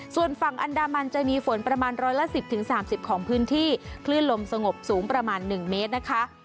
ส่วนฝั่งอันดามันจะมีฝนประมาณร้อยละ๑๐๓๐ของพื้นที่คลื่นลมสงบสูงประมาณ๑เมตรนะคะ